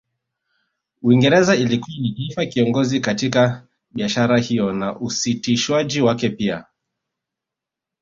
Uingereza ilikuwa ni taifa kiongozi katika biashara hiyo na usitishwaji wake pia